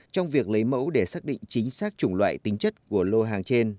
trong việc lấy mẫu để xác định chính xác chủng loại tính chất của lô hàng trên